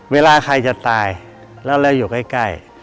เวลาใครจะตายแล้วเราอยู่ใกล้